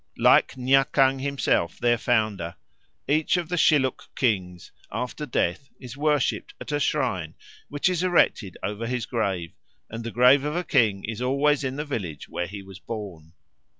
Like Nyakang himself, their founder, each of the Shilluk kings after death is worshipped at a shrine, which is erected over his grave, and the grave of a king is always in the village where he was born.